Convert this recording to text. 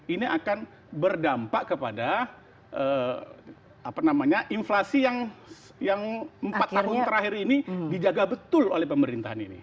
ini akan berdampak kepada inflasi yang empat tahun terakhir ini dijaga betul oleh pemerintahan ini